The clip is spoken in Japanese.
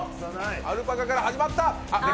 アルパカから始まった。